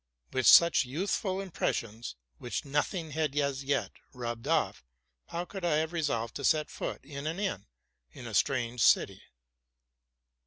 With such youthful impres sions, which nothing had as yet rubbed off, how could I have resolved to set foot in an inn in a strange city?